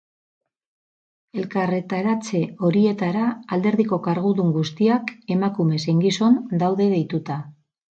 Elkarretaratze horietara alderdiko kargudun guztiak, emakume zein gizon, daude deituta.